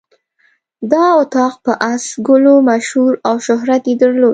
دا اطاق په آس ګلو مشهور او شهرت یې درلود.